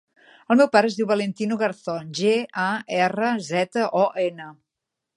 El meu pare es diu Valentino Garzon: ge, a, erra, zeta, o, ena.